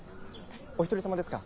お一人様ですか？